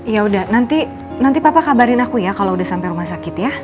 yaudah nanti papa kabarin aku ya kalo udah sampe rumah sakit ya